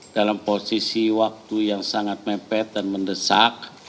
dalam posisi waktu yang sangat mepet dan mendesak